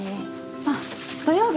あっ土曜日